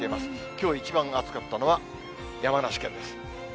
きょう一番暑かったのは、山梨県です。